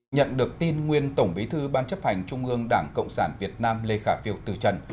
nhận được tin nguyên tổng bí thư ban chấp hành trung ương đảng cộng sản việt nam lê khả phiêu từ trần